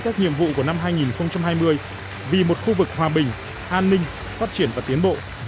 các nhiệm vụ của năm hai nghìn hai mươi vì một khu vực hòa bình an ninh phát triển và tiến bộ